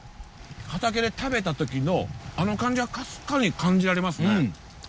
畑で食べたときのあの感じはかすかに感じられますね。